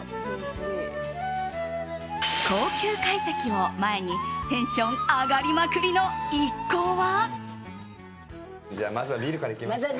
高級会席を前にテンション上がりまくりの一行は。